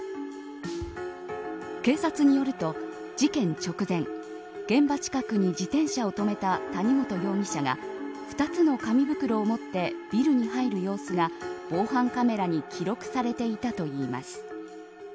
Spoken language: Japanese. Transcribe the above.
警察によると、事件直前現場近くに自転車を止めた谷本容疑者が２つの紙袋を持ってビルに入る様子が防犯カメラに記録されていたといいます。